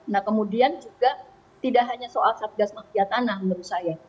nah kemudian juga tidak hanya soal satgas mafia tanah menurut saya